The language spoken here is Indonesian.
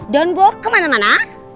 dan gue kemana mana